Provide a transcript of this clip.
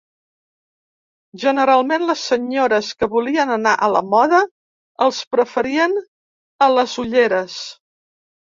Generalment, les senyores que volien anar a la moda, els preferien a les ulleres.